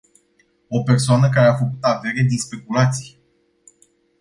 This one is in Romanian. O persoană care a făcut avere din speculații.